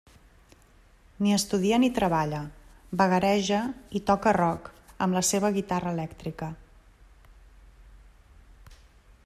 Ni estudia ni treballa; vagareja i toca rock amb la seva guitarra elèctrica.